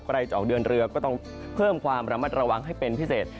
ใครจะออกเดินเรือก็ต้องเพิ่มความระมัดระวังให้เป็นพิเศษ